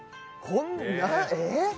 こんなええ！？